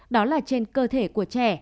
đó là trên cơ thể của trẻ